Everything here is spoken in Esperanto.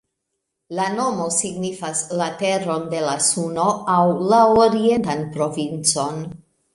La nomo signifas "la teron de la Suno" aŭ "la orientan provincon.